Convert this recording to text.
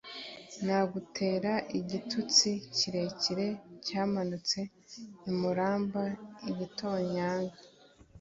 Nagutera igitutsi kirekire cyamanutse i Muramba-Igitonyanga.